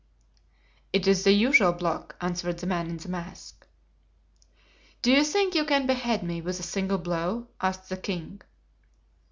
"It is the usual block," answered the man in the mask. "Do you think you can behead me with a single blow?" asked the king.